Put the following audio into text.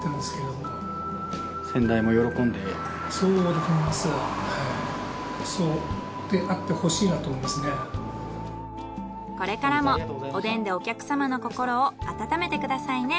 できればこれからもおでんでお客様の心を温めてくださいね。